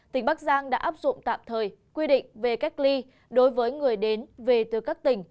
tỉnh bắc giang đã áp dụng tạm thời quy định về cách ly đối với người đến về từ các tỉnh